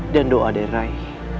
dan doa dari rai